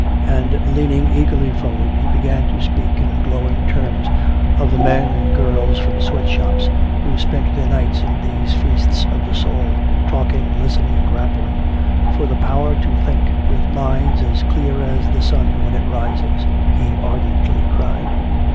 And leaning eagerly forward, he began to speak in glowing terms of the men and girls from sweatshops who spent their nights in these feasts of the soul, talking, listening, grappling, "for the power to think with minds as clear as the sun when it rises," he ardently cried.